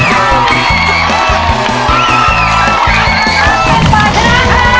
การเป็นป่ายชนะค่ะ